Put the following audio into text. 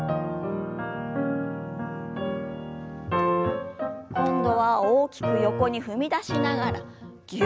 今度は大きく横に踏み出しながらぎゅっと。